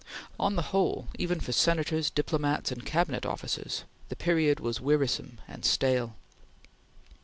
On the whole, even for Senators, diplomats, and Cabinet officers, the period was wearisome and stale.